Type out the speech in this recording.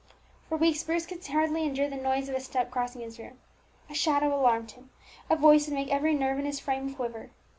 For weeks Bruce could hardly endure the noise of a step crossing his room; a shadow alarmed him, a voice would make every nerve in his frame quiver.